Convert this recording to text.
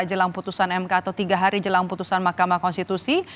jelang putusan mk atau tiga hari jelang putusan mahkamah konstitusi